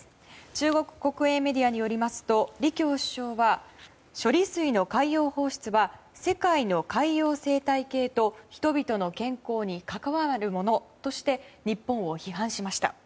中国国営メディアによりますと李強首相は処理水の海洋放出は世界の海洋生態系と人々の健康に関わるものとして日本を批判しました。